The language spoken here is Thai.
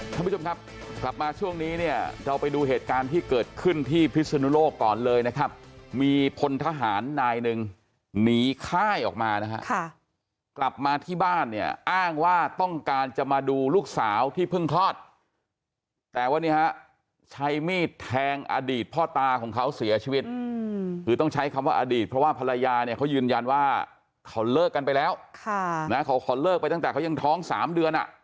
ท่านผู้ชมครับกลับมาช่วงนี้เนี่ยเราไปดูเหตุการณ์ที่เกิดขึ้นที่พิศนุโลกก่อนเลยนะครับมีคนทหารนายหนึ่งหนีค่ายออกมานะครับกลับมาที่บ้านเนี่ยอ้างว่าต้องการจะมาดูลูกสาวที่เพิ่งทอดแต่วันนี้ใช้มีดแทงอดีตพ่อตาของเขาเสียชีวิตคือต้องใช้คำว่าอดีตเพราะว่าภรรยาเนี่ยเขายืนยันว่าเขาเลิกกันไปแล้